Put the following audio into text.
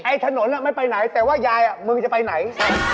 ถนนไม่ไปไหนแต่ว่ายายมึงจะไปไหน